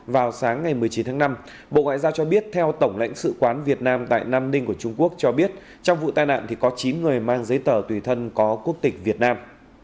chín tháng năm bộ ngoại giao cho biết theo tổng lãnh sự quán việt nam tại nam ninh của trung quốc cho biết trong vụ tai nạn có chín người mang giấy tờ tùy thân có quốc tịch việt nam